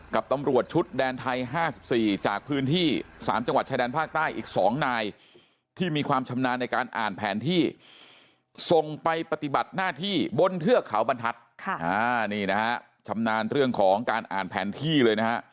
กับตำรวจชุดแดนไทย๕๔จากพื้นที่๓จังหวัดชายแดนภาคใต้อีก๒นาย